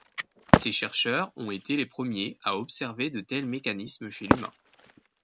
Ces chercheurs ont été les premiers à observer de tels mécanismes chez l'humain.